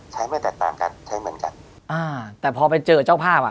ไม่แตกต่างกันใช้เหมือนกันอ่าแต่พอไปเจอเจ้าภาพอ่ะ